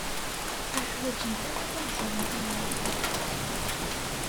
Ur ḥwajent ara ad ẓrent aya.